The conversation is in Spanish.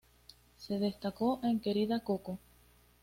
Se destacó en Querida Coco.